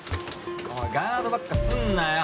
もうガードばっかすんなよ